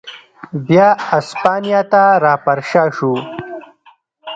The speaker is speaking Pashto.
بیا اسپانیا ته را پرشا شو.